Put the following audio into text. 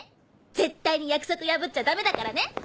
絶対に約束破っちゃダメだからね！